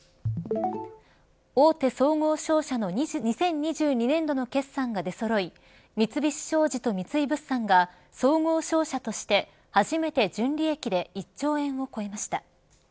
大手総合商社の２０２２年度の決算が出そろい三菱商事と三井物産が総合商社として初めて純利益で１兆円を超えました。